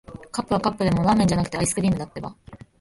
カップはカップでも、ラーメンじゃなくて、アイスクリームだってば。